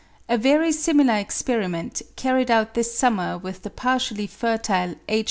A very similar experiment, carried out this summer with the par tially fertile H.